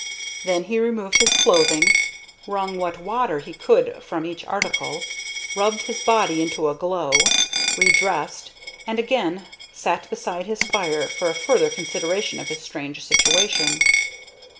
Then he removed his clothing, wrung what water he could from each article, rubbed his body into a glow, re dressed, and again sat beside his fire for a further consideration of his strange situation.